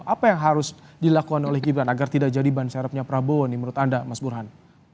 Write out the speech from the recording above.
apa yang harus dilakukan oleh gibran agar tidak jadi ban serapnya prabowo nih menurut anda mas burhan